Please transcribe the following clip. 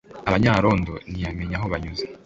aba nyarondo ntiyamenye aho banyuze